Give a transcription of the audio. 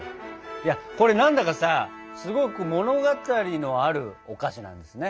いやこれ何だかさすごく物語のあるお菓子なんですね。